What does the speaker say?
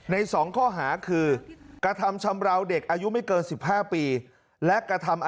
ในสองข้อหาคือ